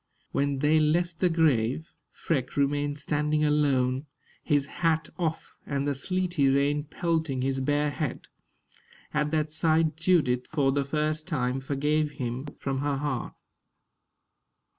When they left the grave, Freke remained standing alone, his hat off, and the sleety rain pelting his bare head. At that sight Judith, for the first time, forgave him from her heart.